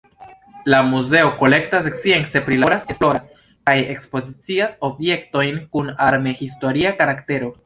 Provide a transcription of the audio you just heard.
La muzeo kolektas, science prilaboras, esploras kaj ekspozicias objektojn kun arme-historia karaktero.